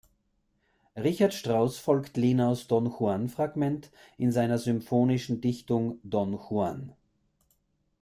Richard Strauss folgt Lenaus Don Juan-Fragment in seiner symphonischen Dichtung Don Juan.